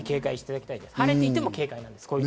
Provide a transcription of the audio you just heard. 晴れていても警戒です。